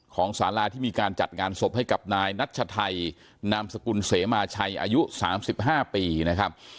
สาราที่มีการจัดงานศพให้กับนายนัชชัยนามสกุลเสมาชัยอายุ๓๕ปีนะครับ